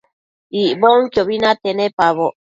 Icbonquiobi nate nepaboc